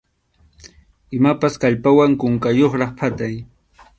Imapas kallpawan kunkayuqraq phatay.